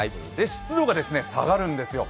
湿度が下がるんですよ。